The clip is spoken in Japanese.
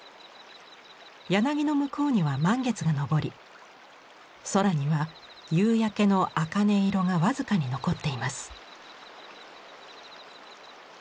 柳の向こうには満月が昇り空には夕焼けの茜色が僅かに残っています。